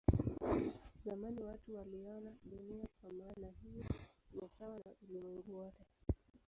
Zamani watu waliona Dunia kwa maana hiyo ni sawa na ulimwengu wote.